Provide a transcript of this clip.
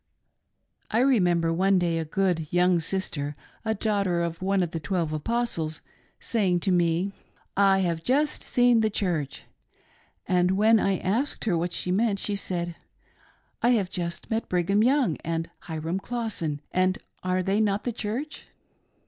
I remember one day a good young sister — a daughter of one of the twelve Apostles — saying to me, " I have just seen the Church," and when I asked her what she meant, she saidi " I have just met Brigham Young and Hyram Clawson, and are they not the Church